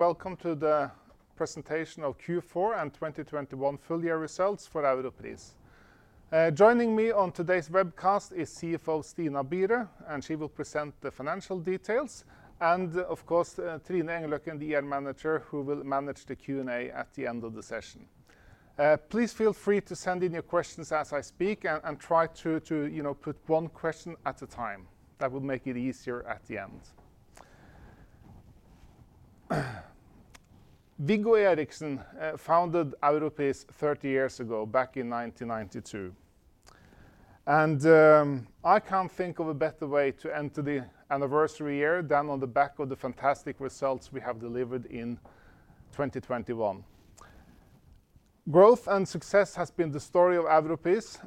Welcome to the Presentation of Q4 and 2021 Full Year Results for Europris. Joining me on today's webcast is CFO Stina Byre, and she will present the financial details, and of course, Trine Engløkken, the IR manager, who will manage the Q&A at the end of the session. Please feel free to send in your questions as I speak and try to, you know, put one question at a time. That will make it easier at the end. Wiggo Erichsen founded Europris 30 years ago back in 1992. I can't think of a better way to end the anniversary year than on the back of the fantastic results we have delivered in 2021. Growth and success has been the story of Europris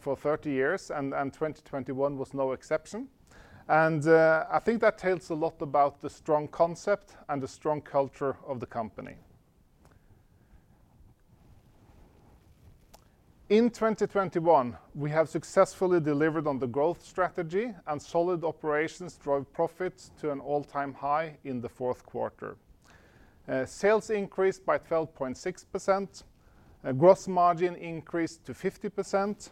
for 30 years, and 2021 was no exception. I think that tells a lot about the strong concept and the strong culture of the company. In 2021, we have successfully delivered on the growth strategy, and solid operations drove profits to an all-time high in the fourth quarter. Sales increased by 12.6%. Gross margin increased to 50%.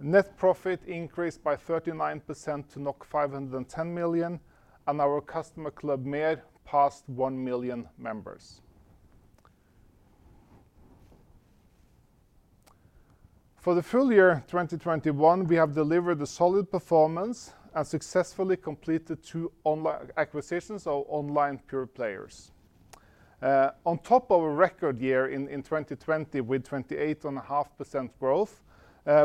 Net profit increased by 39% to 510 million, and our customer club, MER, passed 1 million members. For the full year 2021, we have delivered a solid performance and successfully completed two acquisitions of online pure players. On top of a record year in 2020 with 28.5% growth,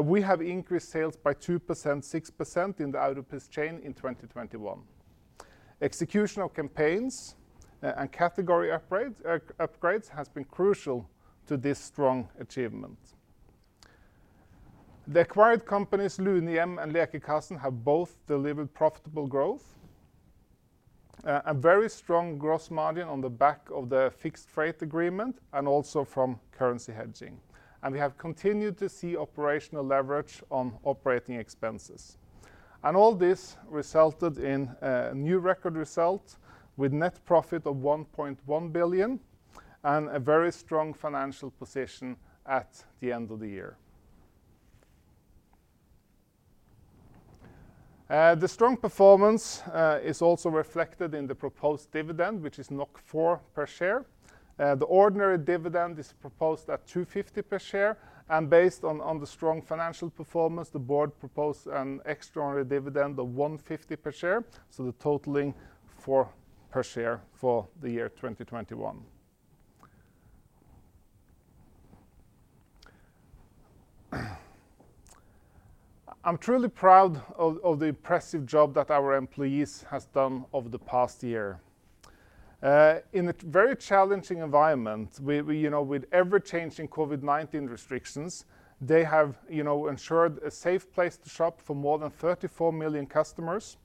we have increased sales by 2%, 6% in the Europris chain in 2021. Execution of campaigns and category upgrades has been crucial to this strong achievement. The acquired companies, Lunehjem and Lekekassen, have both delivered profitable growth. A very strong gross margin on the back of the fixed freight agreement and also from currency hedging. We have continued to see operational leverage on operating expenses. All this resulted in a new record result with net profit of 1.1 billion and a very strong financial position at the end of the year. The strong performance is also reflected in the proposed dividend, which is 4 per share. The ordinary dividend is proposed at 2.50 per share, and based on the strong financial performance, the board proposed an extraordinary dividend of 1.50 per share, so totaling 4 per share for the year 2021. I'm truly proud of the impressive job that our employees has done over the past year. In a very challenging environment, we you know, with ever-changing COVID-19 restrictions, they have you know, ensured a safe place to shop for more than 34 million customers.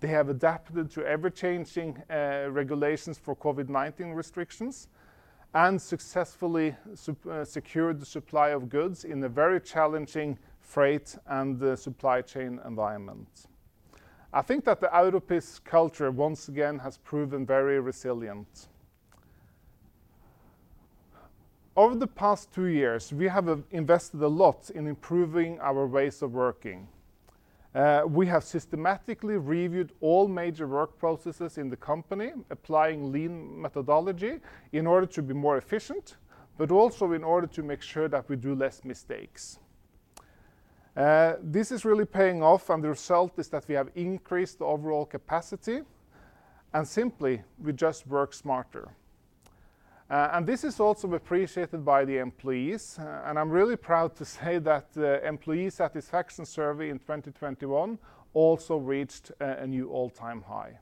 They have adapted to ever-changing regulations for COVID-19 restrictions and successfully secured the supply of goods in a very challenging freight and supply chain environment. I think that the Europris culture, once again, has proven very resilient. Over the past two years, we have invested a lot in improving our ways of working. We have systematically reviewed all major work processes in the company, applying lean methodology in order to be more efficient, but also in order to make sure that we do less mistakes. This is really paying off, and the result is that we have increased overall capacity, and simply, we just work smarter. This is also appreciated by the employees, and I'm really proud to say that the employee satisfaction survey in 2021 also reached a new all-time high.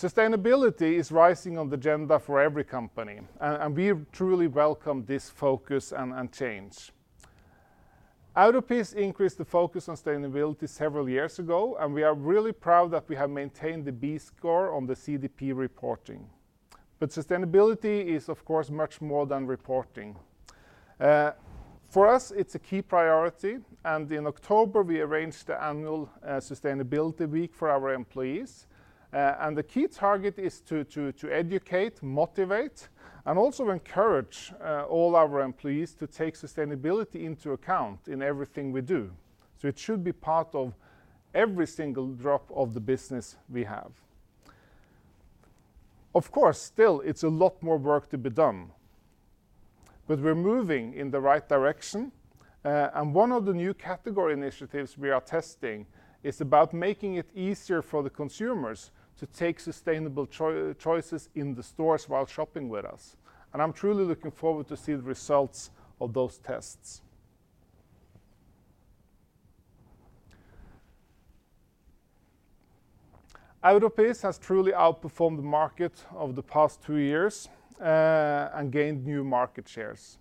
Sustainability is rising on the agenda for every company, and we truly welcome this focus and change. Europris increased the focus on sustainability several years ago, and we are really proud that we have maintained the B score on the CDP reporting. Sustainability is of course much more than reporting. For us, it's a key priority, and in October, we arranged the annual sustainability week for our employees. The key target is to educate, motivate, and also encourage all our employees to take sustainability into account in everything we do. It should be part of every single drop of the business we have. Of course, still, it's a lot more work to be done, but we're moving in the right direction. One of the new category initiatives we are testing is about making it easier for the consumers to take sustainable choices in the stores while shopping with us. I'm truly looking forward to see the results of those tests. Europris has truly outperformed the market over the past two years, and gained new market shares.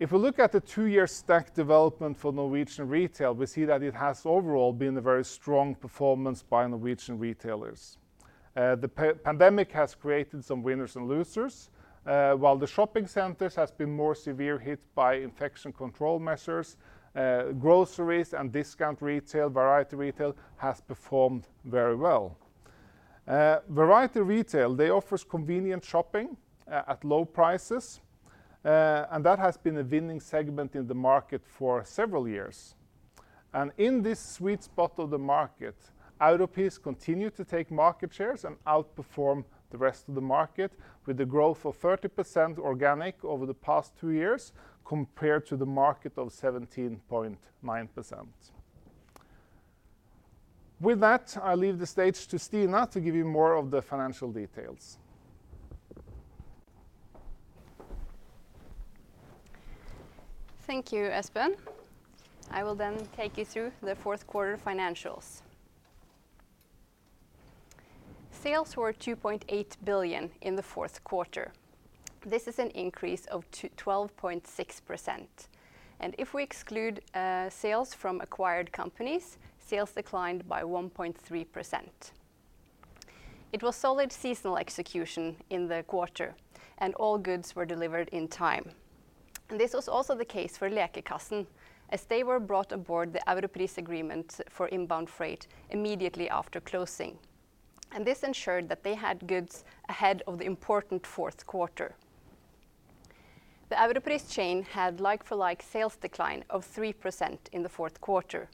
If we look at the two-year stack development for Norwegian retail, we see that it has overall been a very strong performance by Norwegian retailers. The pandemic has created some winners and losers. While the shopping centers has been more severe hit by infection control measures, groceries and discount retail, variety retail has performed very well. Variety retail, they offers convenient shopping at low prices, and that has been the winning segment in the market for several years. In this sweet spot of the market, Europris continue to take market shares and outperform the rest of the market with a growth of 30% organic over the past two years compared to the market of 17.9%. With that, I leave the stage to Stina to give you more of the financial details. Thank you, Espen. I will then take you through the fourth quarter financials. Sales were 2.8 billion in the fourth quarter. This is an increase of 12.6%. If we exclude sales from acquired companies, sales declined by 1.3%. It was solid seasonal execution in the quarter, and all goods were delivered in time. This was also the case for Lekekassen as they were brought aboard the Europris agreement for inbound freight immediately after closing, and this ensured that they had goods ahead of the important fourth quarter. The Europris chain had like-for-like sales decline of 3% in the fourth quarter,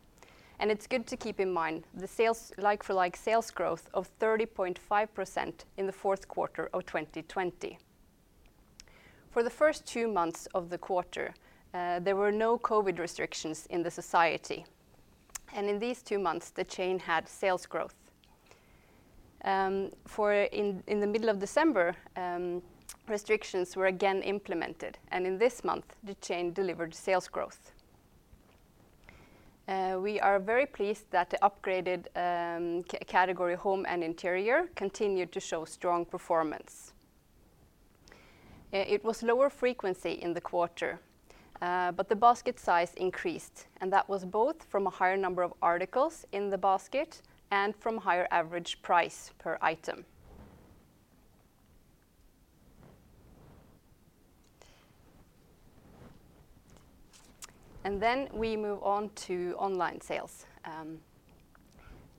and it's good to keep in mind the like-for-like sales growth of 30.5% in the fourth quarter of 2020. For the first two months of the quarter, there were no COVID restrictions in the society, and in these two months the chain had sales growth. In the middle of December, restrictions were again implemented, and in this month the chain delivered sales growth. We are very pleased that the upgraded category home and interior continued to show strong performance. It was lower frequency in the quarter, but the basket size increased, and that was both from a higher number of articles in the basket and from higher average price per item. Then we move on to online sales.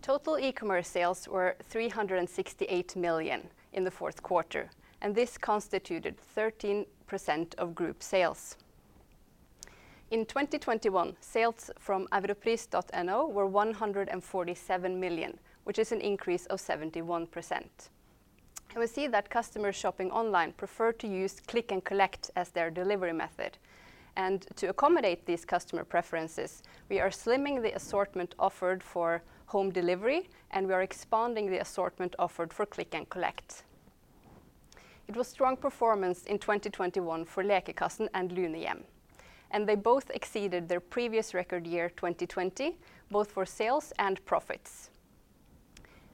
Total e-commerce sales were 368 million in the fourth quarter, and this constituted 13% of group sales. In 2021, sales from europris.no were 147 million, which is an increase of 71%. We see that customers shopping online prefer to use click and collect as their delivery method, and to accommodate these customer preferences, we are slimming the assortment offered for home delivery, and we are expanding the assortment offered for click and collect. It was strong performance in 2021 for Lekekassen and Lunehjem, and they both exceeded their previous record year, 2020, both for sales and profits.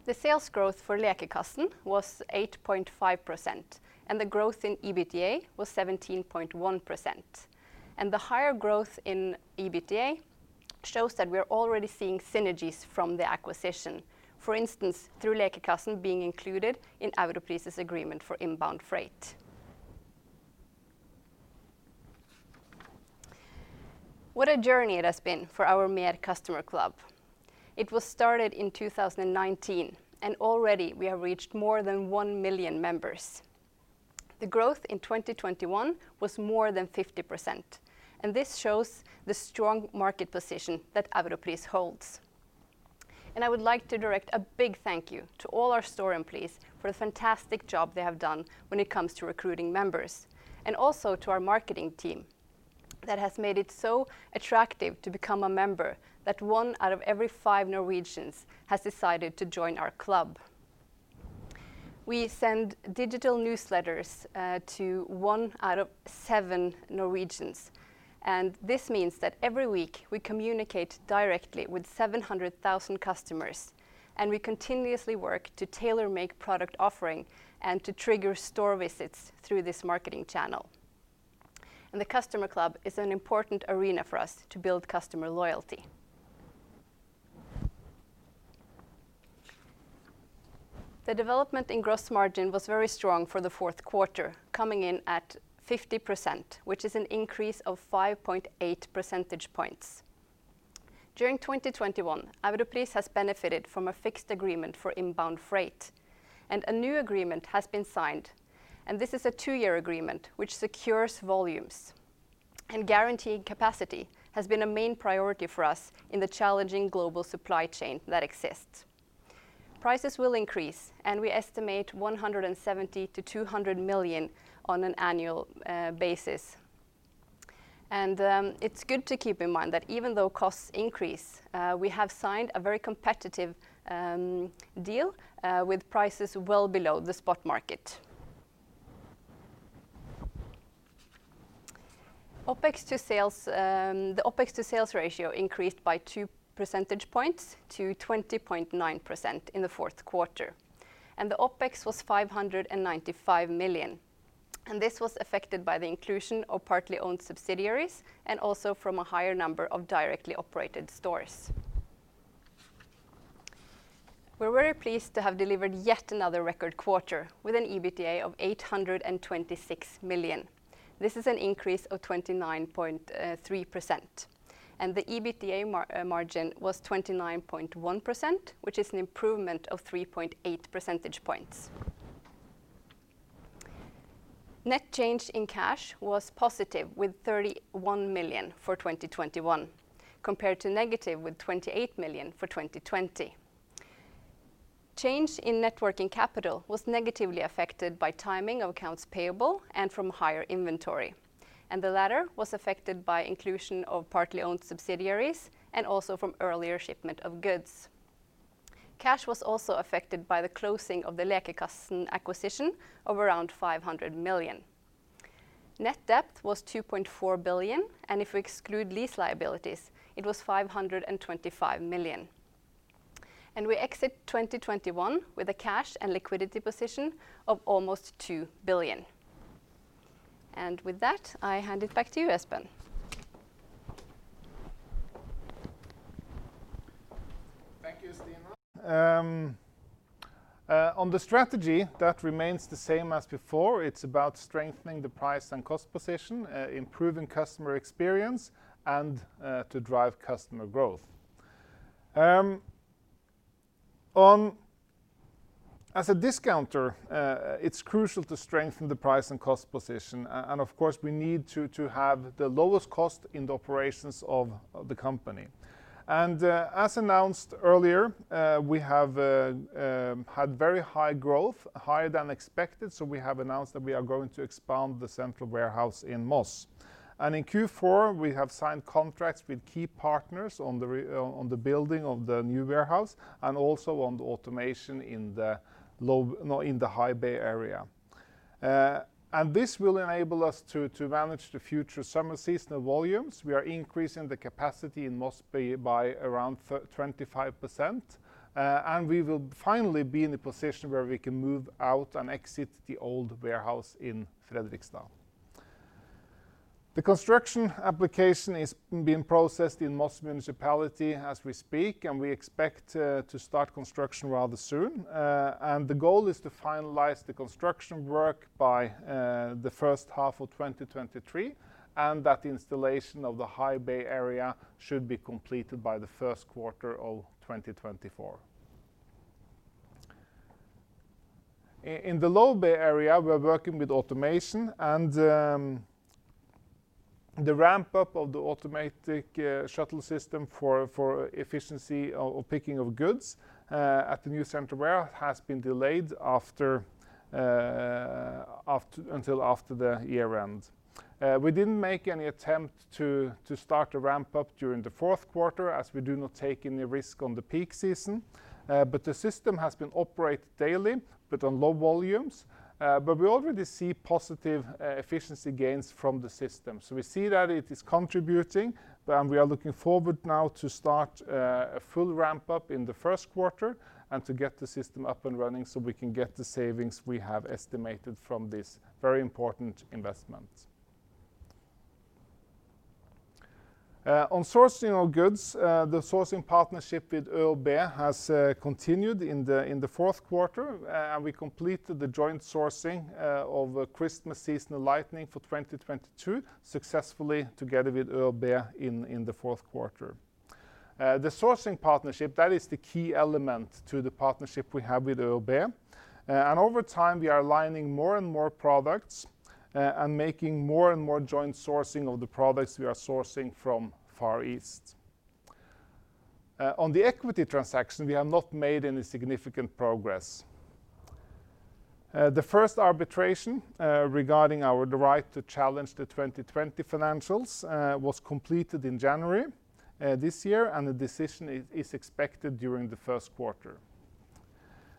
The sales growth for Lekekassen was 8.5%, and the growth in EBITDA was 17.1%. The higher growth in EBITDA shows that we're already seeing synergies from the acquisition. For instance, through Lekekassen being included in Europris' agreement for inbound freight. What a journey it has been for our MER Customer Club. It was started in 2019, and already we have reached more than 1 million members. The growth in 2021 was more than 50%, and this shows the strong market position that Europris holds. I would like to direct a big thank you to all our store employees for the fantastic job they have done when it comes to recruiting members, and also to our marketing team that has made it so attractive to become a member that one out of every five Norwegians has decided to join our club. We send digital newsletters to one out of seven Norwegians, and this means that every week we communicate directly with 700,000 customers, and we continuously work to tailor-make product offering and to trigger store visits through this marketing channel. The customer club is an important arena for us to build customer loyalty. The development in gross margin was very strong for the fourth quarter, coming in at 50%, which is an increase of 5.8 percentage points. During 2021, Europris has benefited from a fixed agreement for inbound freight, and a new agreement has been signed and this is a two-year agreement which secures volumes. Guaranteed capacity has been a main priority for us in the challenging global supply chain that exists. Prices will increase, and we estimate 170-200 million on an annual basis. It's good to keep in mind that even though costs increase, we have signed a very competitive deal with prices well below the spot market. OpEx to sales, The OpEx to sales ratio increased by 2 percentage points to 20.9% in the fourth quarter, and the OpEx was 595 million. This was affected by the inclusion of partly owned subsidiaries and also from a higher number of directly operated stores. We're very pleased to have delivered yet another record quarter with an EBITDA of 826 million. This is an increase of 29.3% and the EBITDA margin was 29.1%, which is an improvement of 3.8 percentage points. Net change in cash was positive with 31 million for 2021 compared to negative with 28 million for 2020. Change in net working capital was negatively affected by timing of accounts payable and from higher inventory, and the latter was affected by inclusion of partly owned subsidiaries and also from earlier shipment of goods. Cash was also affected by the closing of the Lekekassen acquisition of around 500 million. Net debt was 2.4 billion, and if we exclude lease liabilities, it was 525 million. We exit 2021 with a cash and liquidity position of almost 2 billion. With that, I hand it back to you, Espen. Thank you, Stina. On the strategy that remains the same as before, it's about strengthening the price and cost position, improving customer experience and to drive customer growth. As a discounter, it's crucial to strengthen the price and cost position and of course, we need to have the lowest cost in the operations of the company. As announced earlier, we have had very high growth, higher than expected, so we have announced that we are going to expand the central warehouse in Moss. In Q4, we have signed contracts with key partners on the building of the new warehouse and also on the automation in the high bay area. This will enable us to manage the future summer seasonal volumes. We are increasing the capacity in Moss Bay by around 25%, and we will finally be in a position where we can move out and exit the old warehouse in Fredrikstad. The construction application is being processed in Moss Municipality as we speak, and we expect to start construction rather soon. The goal is to finalize the construction work by the first half of 2023, and that installation of the high bay area should be completed by the first quarter of 2024. In the low bay area, we're working with automation and the ramp-up of the automatic shuttle system for efficiency of picking of goods at the new central warehouse has been delayed until after the year end. We didn't make any attempt to start the ramp-up during the fourth quarter, as we do not take any risk on the peak season. The system has been operated daily but on low volumes. We already see positive efficiency gains from the system. We see that it is contributing, but we are looking forward now to start a full ramp-up in the first quarter and to get the system up and running so we can get the savings we have estimated from this very important investment. On sourcing of goods, the sourcing partnership with ÖoB has continued in the fourth quarter, and we completed the joint sourcing of Christmas seasonal lighting for 2022 successfully together with ÖoB in the fourth quarter. The sourcing partnership, that is the key element to the partnership we have with ÖoB. Over time, we are aligning more and more products and making more and more joint sourcing of the products we are sourcing from Far East. On the equity transaction, we have not made any significant progress. The first arbitration regarding our right to challenge the 2020 financials was completed in January this year, and the decision is expected during the first quarter.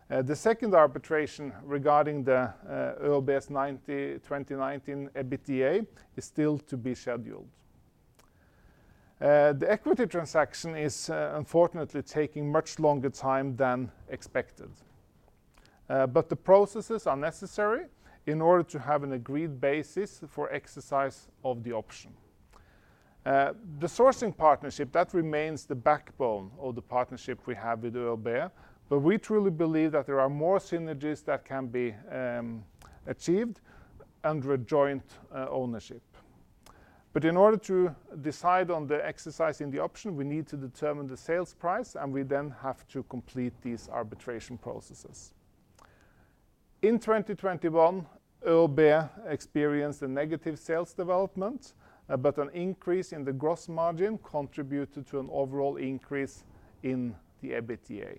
The second arbitration regarding the ÖoB's 2019 EBITDA is still to be scheduled. The equity transaction is unfortunately taking much longer time than expected. The processes are necessary in order to have an agreed basis for exercise of the option. The sourcing partnership, that remains the backbone of the partnership we have with ÖoB, but we truly believe that there are more synergies that can be achieved under a joint ownership. In order to decide on exercising the option, we need to determine the sales price, and we then have to complete these arbitration processes. In 2021, ÖoB experienced a negative sales development, but an increase in the gross margin contributed to an overall increase in the EBITDA.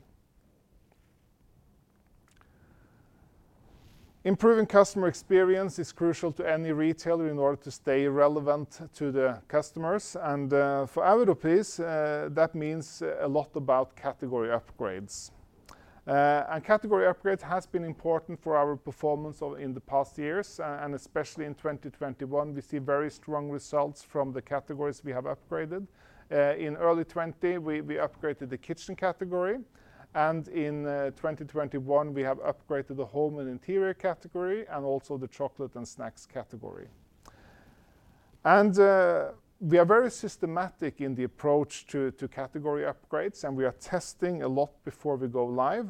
Improving customer experience is crucial to any retailer in order to stay relevant to the customers. For Europris, that means a lot about category upgrades. Category upgrades has been important for our performance in the past years, and especially in 2021. We see very strong results from the categories we have upgraded. In early 2020, we upgraded the kitchen category, and in 2021, we have upgraded the home and interior category and also the chocolate and snacks category. We are very systematic in the approach to category upgrades, and we are testing a lot before we go live.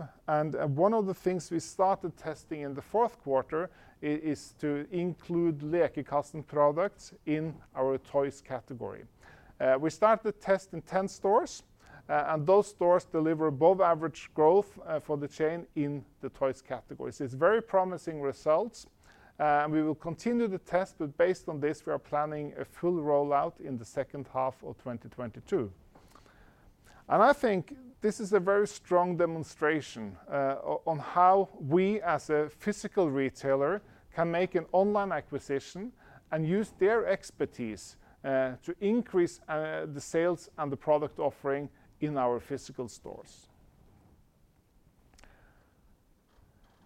One of the things we started testing in the fourth quarter is to include Lekekassen products in our toys category. We started the test in 10 stores, and those stores deliver above average growth for the chain in the toys category. It's very promising results, and we will continue the test, but based on this, we are planning a full rollout in the second half of 2022. I think this is a very strong demonstration on how we as a physical retailer can make an online acquisition and use their expertise to increase the sales and the product offering in our physical stores.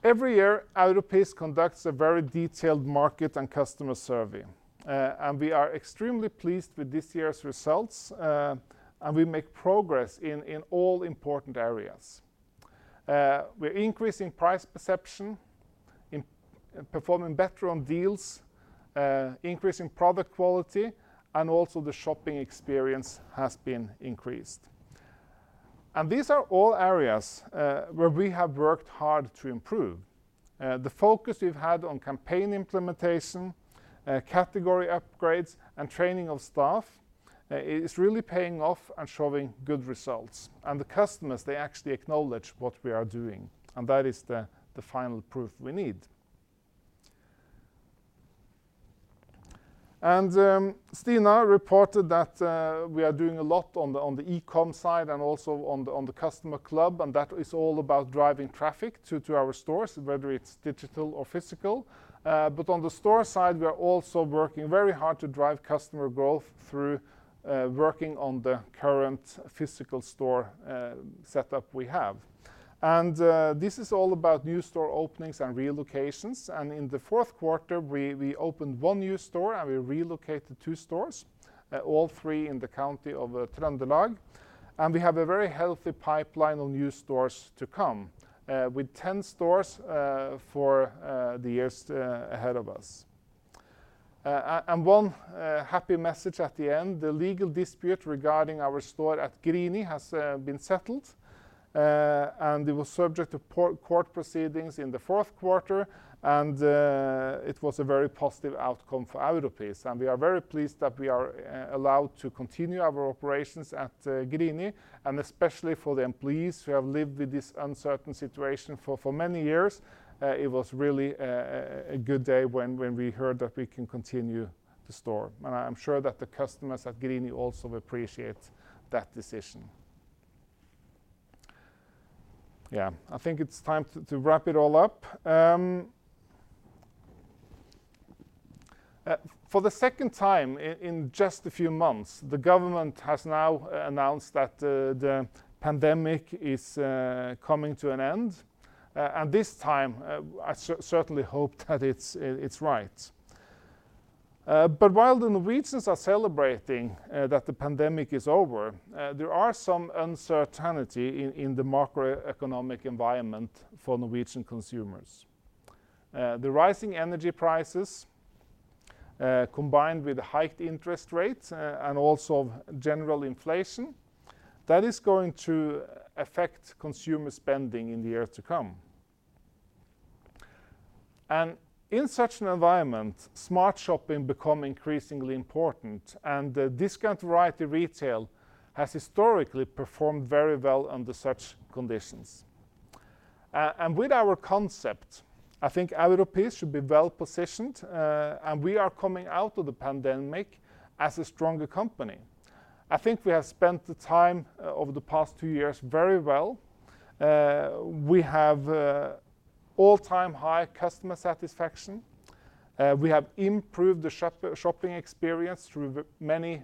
Every year, Europris conducts a very detailed market and customer survey, and we are extremely pleased with this year's results, and we make progress in all important areas. We're increasing price perception, improving, performing better on deals, increasing product quality, and also the shopping experience has been increased. These are all areas where we have worked hard to improve. The focus we've had on campaign implementation, category upgrades, and training of staff is really paying off and showing good results. The customers, they actually acknowledge what we are doing, and that is the final proof we need. Stina reported that we are doing a lot on the e-com side and also on the customer club, and that is all about driving traffic to our stores, whether it's digital or physical. On the store side, we are also working very hard to drive customer growth through working on the current physical store setup we have. This is all about new store openings and relocations. In the fourth quarter, we opened one new store and we relocated two stores, all three in the county of Trøndelag. We have a very healthy pipeline of new stores to come, with 10 stores for the years ahead of us. One happy message at the end, the legal dispute regarding our store at Grini has been settled. It was subject to court proceedings in the fourth quarter, and it was a very positive outcome for Europris. We are very pleased that we are allowed to continue our operations at Grini, and especially for the employees who have lived with this uncertain situation for many years. It was really a good day when we heard that we can continue the store. I'm sure that the customers at Grini also appreciate that decision. Yeah. I think it's time to wrap it all up. For the second time in just a few months, the government has now announced that the pandemic is coming to an end. This time, I certainly hope that it's right. While the Norwegians are celebrating that the pandemic is over, there is some uncertainty in the macroeconomic environment for Norwegian consumers. The rising energy prices combined with hiked interest rates and also general inflation that is going to affect consumer spending in the year to come. In such an environment, smart shopping becomes increasingly important, and discount variety retail has historically performed very well under such conditions. With our concept, I think Europris should be well positioned, and we are coming out of the pandemic as a stronger company. I think we have spent the time over the past two years very well. We have all-time high customer satisfaction. We have improved the shopping experience through the many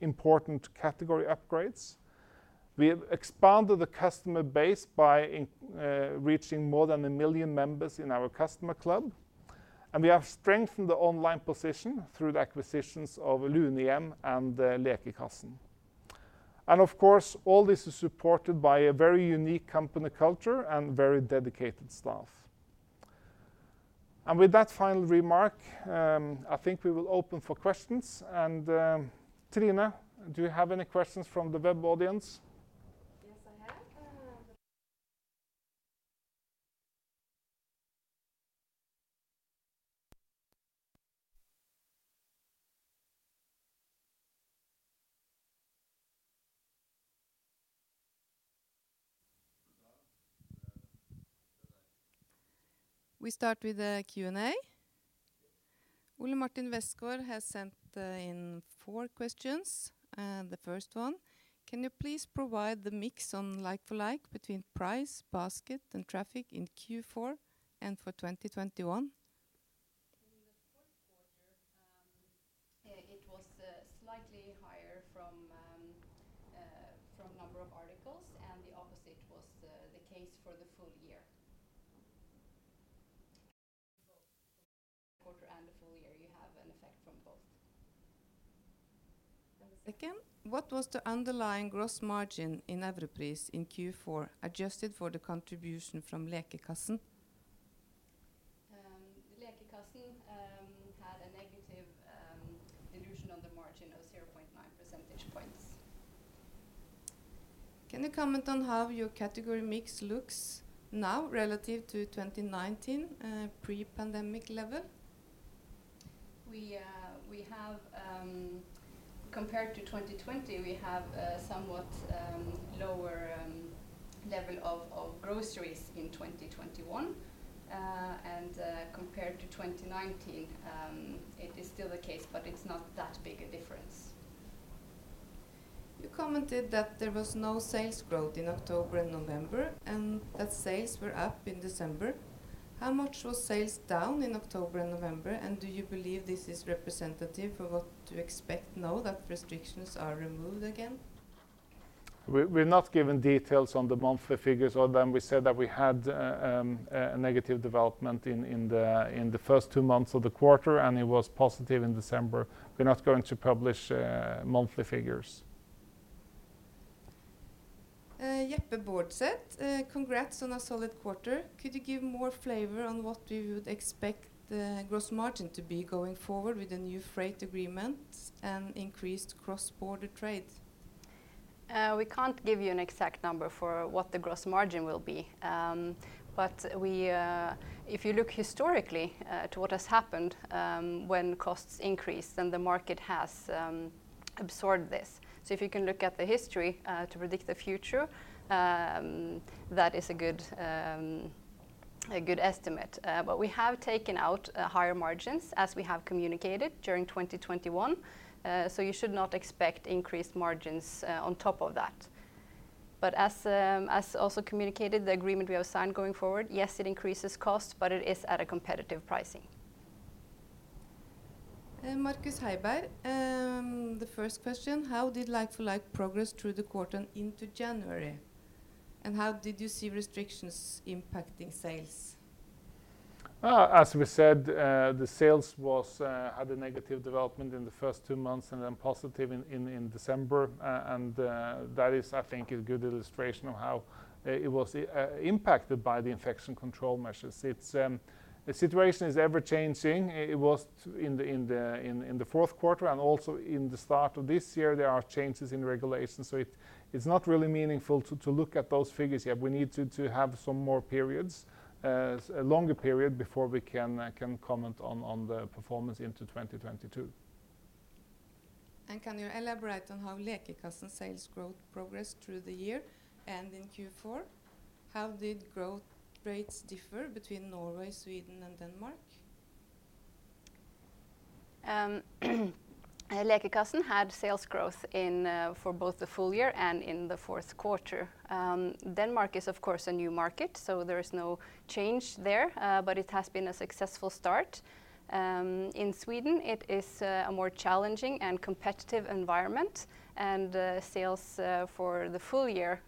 important category upgrades. We have expanded the customer base by reaching more than 1 million members in our customer club. We have strengthened the online position through the acquisitions of Lunehjem and Lekekassen. Of course, all this is supported by a very unique company culture and very dedicated staff. With that final remark, I think we will open for questions. Trine, do you have any questions from the web audience? Yes, I have. We start with the Q&A. Ole Martin Westgaard has sent in four questions, and the first one: Can you please provide the mix on like for like between price, basket, and traffic in Q4 and for 2021? In the fourth quarter, it was slightly higher from number of articles, and the opposite was the case for the full year. For both the quarter and the full year, you have an effect from both. Second, what was the underlying gross margin in Europris in Q4 adjusted for the contribution from Lekekassen? The Lekekassen had a negative dilution on the margin of 0.9 percentage points. Can you comment on how your category mix looks now relative to 2019, pre-pandemic level? Compared to 2020, we have somewhat lower level of groceries in 2021. Compared to 2019, it is still the case, but it's not that big a difference. You commented that there was no sales growth in October and November, and that sales were up in December. How much was sales down in October and November, and do you believe this is representative of what to expect now that restrictions are removed again? We're not giving details on the monthly figures other than we said that we had a negative development in the first two months of the quarter, and it was positive in December. We're not going to publish monthly figures. Jeppe Baardseth. Congrats on a solid quarter. Could you give more flavor on what we would expect the gross margin to be going forward with the new freight agreements and increased cross-border trade? We can't give you an exact number for what the gross margin will be. If you look historically to what has happened when costs increase, then the market has absorbed this. If you can look at the history to predict the future, that is a good estimate. We have taken out higher margins as we have communicated during 2021, so you should not expect increased margins on top of that. As also communicated, the agreement we have signed going forward, yes, it increases cost, but it is at a competitive pricing. Markus Heiberg. The first question, how did like-for-like progress through the quarter and into January, and how did you see restrictions impacting sales? As we said, the sales had a negative development in the first two months and then positive in December. That is, I think, a good illustration of how it was impacted by the infection control measures. The situation is ever-changing. It was in the fourth quarter and also in the start of this year, there are changes in regulations, so it's not really meaningful to look at those figures yet. We need to have some more periods, a longer period before we can comment on the performance into 2022. Can you elaborate on how Lekekassen sales growth progressed through the year and in Q4? How did growth rates differ between Norway, Sweden, and Denmark? Lekekassen had sales growth in for both the full year and in the fourth quarter. Denmark is, of course, a new market, so there is no change there, but it has been a successful start. In Sweden, it is a more challenging and competitive environment, and sales for the full year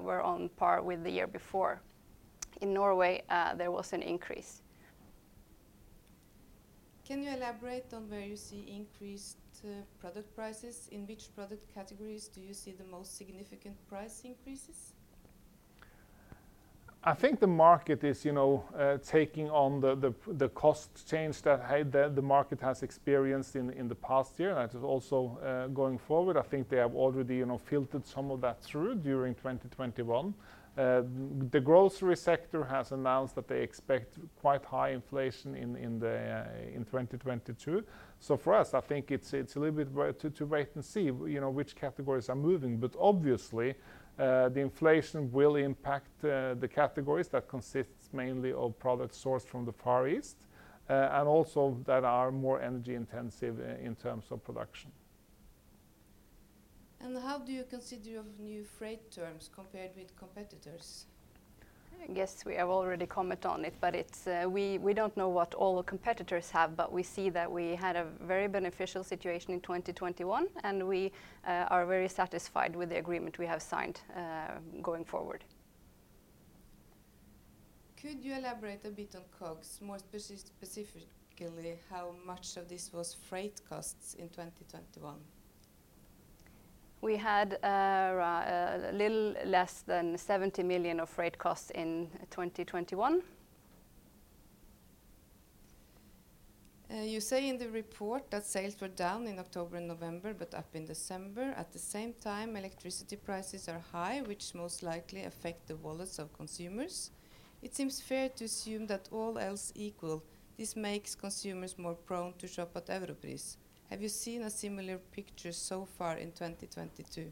were on par with the year before. In Norway, there was an increase. Can you elaborate on where you see increased product prices? In which product categories do you see the most significant price increases? I think the market is, you know, taking on the cost change that the market has experienced in the past year, and it is also going forward. I think they have already, you know, filtered some of that through during 2021. The grocery sector has announced that they expect quite high inflation in 2022. For us, I think it's a little bit wait and see, you know, which categories are moving. Obviously, the inflation will impact the categories that consist mainly of products sourced from the Far East and also that are more energy intensive in terms of production. How do you consider your new freight terms compared with competitors? I guess we have already commented on it, but it's. We don't know what all the competitors have, but we see that we had a very beneficial situation in 2021, and we are very satisfied with the agreement we have signed, going forward. Could you elaborate a bit on COGS, more specifically how much of this was freight costs in 2021? We had a little less than 70 million of freight costs in 2021. You say in the report that sales were down in October and November but up in December. At the same time, electricity prices are high, which most likely affect the wallets of consumers. It seems fair to assume that all else equal, this makes consumers more prone to shop at Europris. Have you seen a similar picture so far in 2022?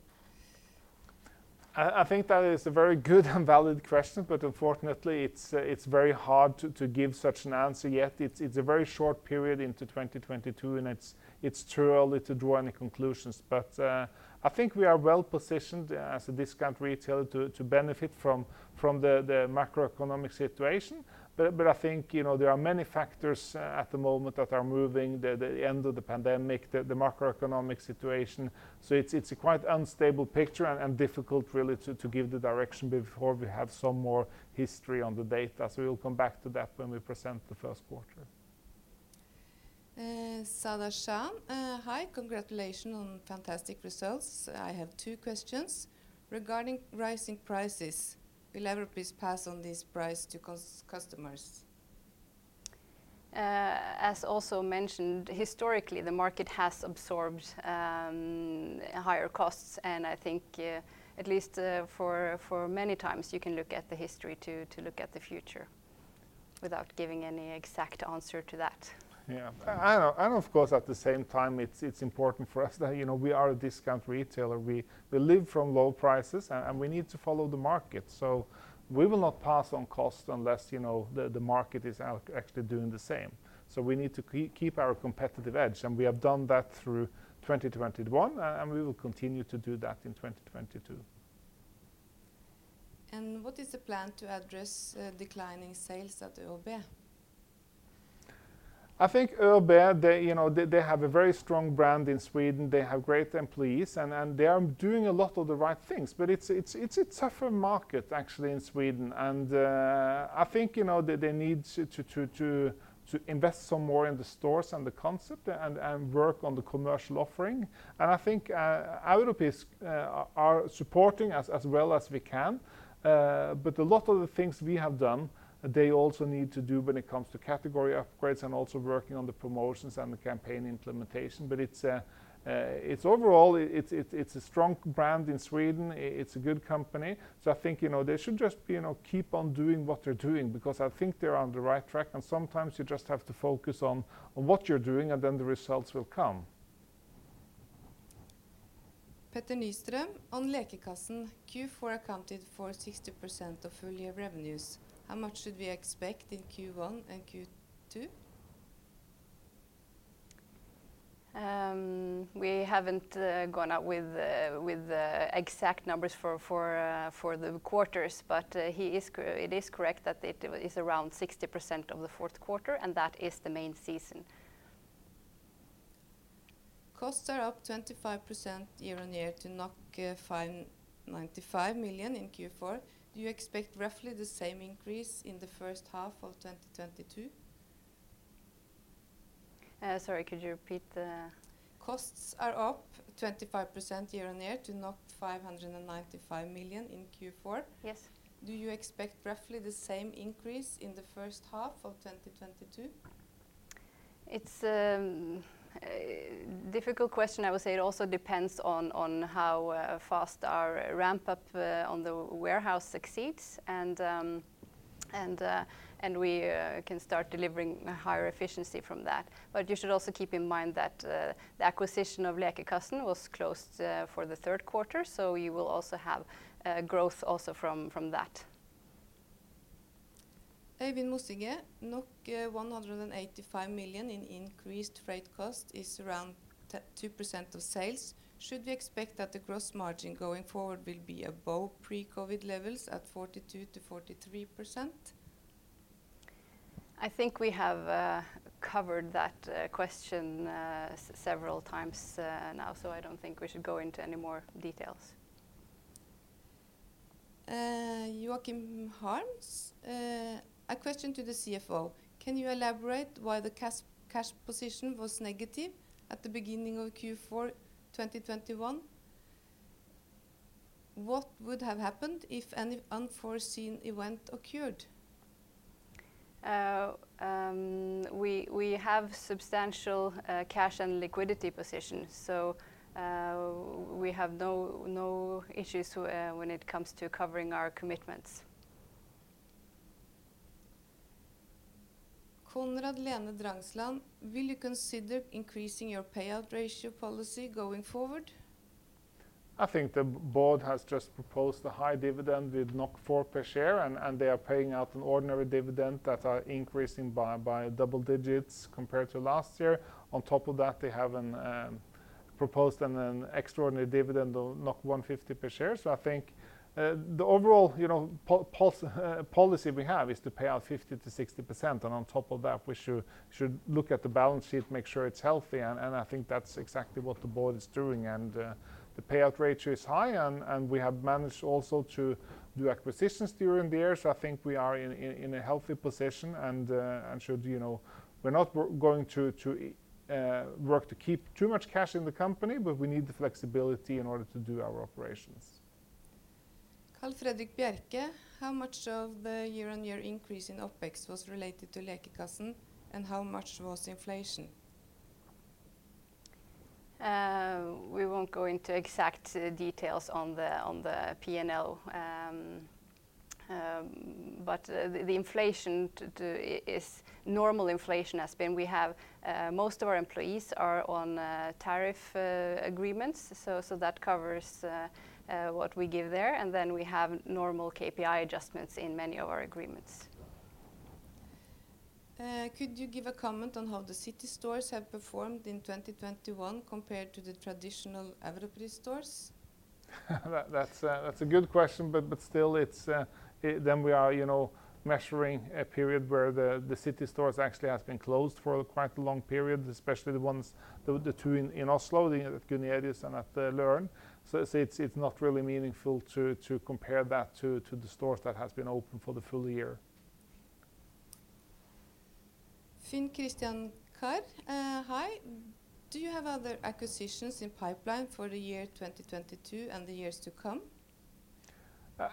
I think that is a very good and valid question, but unfortunately, it's very hard to give such an answer yet. It's a very short period into 2022, and it's too early to draw any conclusions. I think we are well positioned as a discount retailer to benefit from the macroeconomic situation. I think, you know, there are many factors at the moment that are moving, the end of the pandemic, the macroeconomic situation. It's a quite unstable picture and difficult really to give the direction before we have some more history on the data, so we will come back to that when we present the first quarter. Sada Shan. Hi. Congratulations on fantastic results. I have two questions. Regarding rising prices, will Europris pass on this price to customers? As also mentioned, historically, the market has absorbed higher costs, and I think at least for many times, you can look at the history to look at the future without giving any exact answer to that. Yeah. Of course, at the same time, it's important for us that, you know, we are a discount retailer. We live from low prices and we need to follow the market. We will not pass on cost unless, you know, the market is actually doing the same. We need to keep our competitive edge, and we have done that through 2021 and we will continue to do that in 2022. What is the plan to address declining sales at ÖoB? I think ÖoB, they, you know, they have a very strong brand in Sweden. They have great employees, and they are doing a lot of the right things. It's a tougher market, actually, in Sweden. I think, you know, they need to invest some more in the stores and the concept and work on the commercial offering. I think Europris are supporting as well as we can. A lot of the things we have done, they also need to do when it comes to category upgrades and also working on the promotions and the campaign implementation. It's overall a strong brand in Sweden. It's a good company. I think, you know, they should just, you know, keep on doing what they're doing because I think they're on the right track, and sometimes you just have to focus on what you're doing and then the results will come. Petter Nystrøm. On Lekekassen, Q4 accounted for 60% of full year revenues. How much should we expect in Q1 and Q2? We haven't gone out with exact numbers for the quarters, but it is correct that it is around 60% of the fourth quarter, and that is the main season. Costs are up 25% year-over-year to 595 million in Q4. Do you expect roughly the same increase in the first half of 2022? Sorry, could you repeat the? Costs are up 25% year-on-year to 595 million in Q4. Yes. Do you expect roughly the same increase in the first half of 2022? It's a difficult question. I would say it also depends on how fast our ramp-up on the warehouse succeeds, and we can start delivering higher efficiency from that. But you should also keep in mind that the acquisition of Lekekassen was closed for the third quarter, so you will also have growth also from that. Øyvind Mossige. NOK 185 million in increased freight cost is around 2% of sales. Should we expect that the gross margin going forward will be above pre-COVID levels at 42%-43%? I think we have covered that question several times now, so I don't think we should go into any more details. Joachim Harms. A question to the CFO. Can you elaborate why the cash position was negative at the beginning of Q4 2021? What would have happened if any unforeseen event occurred? We have substantial cash and liquidity position, so we have no issues when it comes to covering our commitments. Will you consider increasing your payout ratio policy going forward? I think the board has just proposed a high dividend with 4 per share, and they are paying out an ordinary dividend that are increasing by double digits compared to last year. On top of that, they have proposed an extraordinary dividend of 150 per share. I think the overall, you know, policy we have is to pay out 50%-60%, and on top of that, we should look at the balance sheet, make sure it's healthy, and I think that's exactly what the board is doing. The payout ratio is high, and we have managed also to do acquisitions during the year. I think we are in a healthy position, and should, you know... We're not going to work to keep too much cash in the company, but we need the flexibility in order to do our operations. Carl Frederick Bjerke. How much of the year-on-year increase in OpEx was related to Lekekassen, and how much was inflation? We won't go into exact details on the P&L. The inflation too is normal. Inflation has been. We have most of our employees are on tariff agreements. That covers what we give there, and then we have normal CPI adjustments in many of our agreements. Could you give a comment on how the city stores have performed in 2021 compared to the traditional Europris stores? That's a good question, but still then we are, you know, measuring a period where the city stores actually has been closed for quite a long period, especially the ones, the two in Oslo, at Gunerius and at Løren. It's not really meaningful to compare that to the stores that has been open for the full year. Finn-Christian Carr. Hi. Do you have other acquisitions in the pipeline for the year 2022 and the years to come?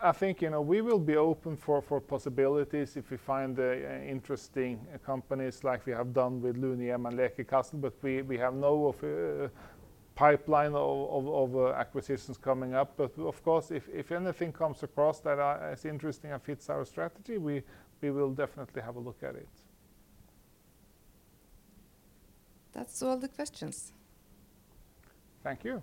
I think, you know, we will be open for possibilities if we find interesting companies like we have done with Lunehjem and Lekekassen. We have no pipeline of acquisitions coming up. Of course, if anything comes across that is interesting and fits our strategy, we will definitely have a look at it. That's all the questions. Thank you.